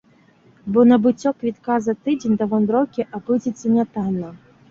Бо набыццё квітка за тыдзень да вандроўкі абыдзецца нятанна.